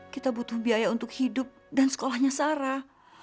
kita butuh biaya untuk hidup dan sekolahnya sarah